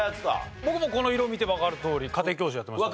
僕もこの色見てわかるとおり家庭教師やってました。